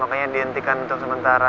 makanya dihentikan untuk sementara